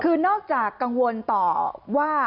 คือนอกจากกังวลต่อว่า